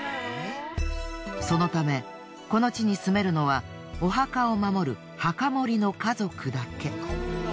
そのためこの地に住めるのはお墓を守る墓守の家族だけ。